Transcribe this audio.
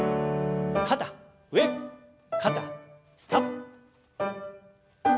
肩上肩下。